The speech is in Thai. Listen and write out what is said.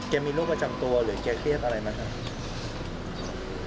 มีโรคประจำตัวหรือแกเครียดอะไรไหมครับ